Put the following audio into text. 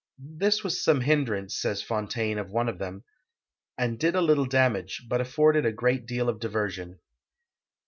" This was some hindrance," says Fontaine of one of them, " and did a little damage, but afforded a great deal of diversion."